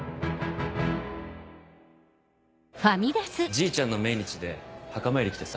じいちゃんの命日で墓参り来てさ。